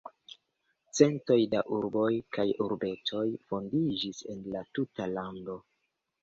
Centoj da urboj kaj urbetoj fondiĝis en la tuta lando.